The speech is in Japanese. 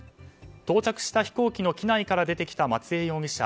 到着した飛行機の機内から出てきた松江容疑者。